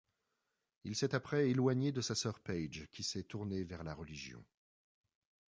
Il s'est après éloigné de sa sœur Paige, qui s'est tournée vers la religion.